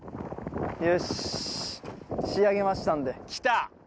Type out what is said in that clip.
よし仕上げましたんで。